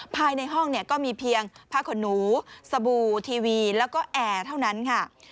ภายในห้องเนี่ยก็มีเพียงผ้าขนหนูสบู่ทีวีแล้วก็แอร์เท่านั้นค่ะ